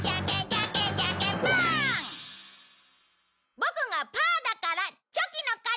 ボクがパーだからチョキの勝ち！